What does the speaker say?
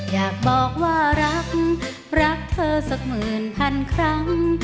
อยากบอกว่ารักรักเธอสักหมื่นพันครั้ง